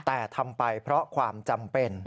แต่ทำไปเพราะความจำเป็น